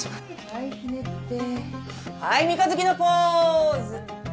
はいひねってはい三日月のポーズ。